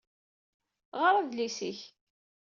Ɣeṛ adlis-ik!